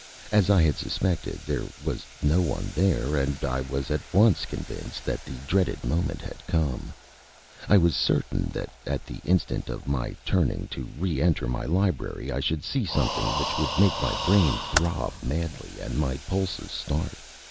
As I had suspected, there was no one there, and I was at once convinced that the dreaded moment had come. I was certain that at the instant of my turning to re enter my library I should see something which would make my brain throb madly and my pulses start.